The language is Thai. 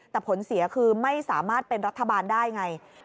แต่ผลเสียคือไม่สามารถเป็นรัฐบาลได้ไง